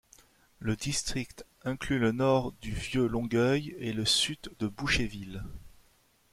Le district inclut le nord du Vieux-Longueuil et le sud de Boucherville.